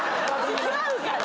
違うから！